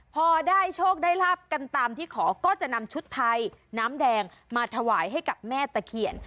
พอได้โชคได้ลาบกันตามที่ขอก็จะนำชุดไทยน้ำแดงมาถวายให้กับแม่ตะเขียน